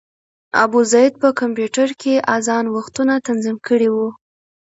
ابوزید په کمپیوټر کې اذان وختونه تنظیم کړي وو.